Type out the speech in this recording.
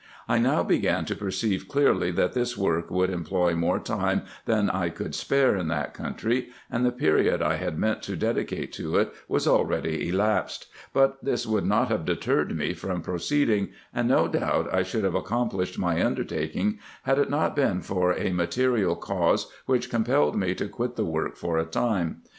I now began to perceive clearly, that this work would employ more time than I could spare in that country, and the period I had meant to dedicate to it was already elapsed ; but this would not have deterred me from proceeding, and no doubt I should have accomplished my undertaking, had it not been for a material cause which compelled me to quit the work for a time.